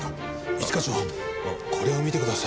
一課長これを見てください。